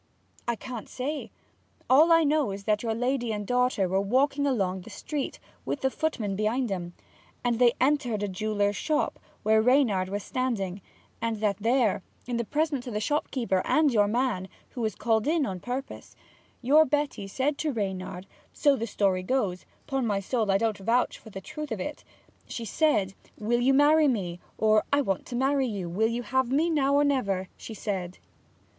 'I can't say. All I know is that your lady and daughter were walking along the street, with the footman behind 'em; that they entered a jeweller's shop, where Reynard was standing; and that there, in the presence o' the shopkeeper and your man, who was called in on purpose, your Betty said to Reynard so the story goes: 'pon my soul I don't vouch for the truth of it she said, "Will you marry me?" or, "I want to marry you: will you have me now or never?" she said.'